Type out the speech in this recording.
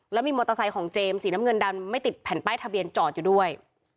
แล้วมีมอเตอร์ไซค์ของเจมส์สีน้ำเงินดำไม่ติดแผ่นป้ายทะเบียนจอดอยู่ด้วย